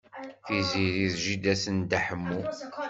Tiziri d jida-s n Dda Ḥemmu.